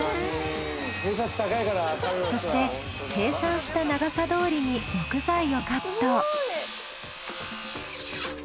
そして計算した長さどおりに木材をカット。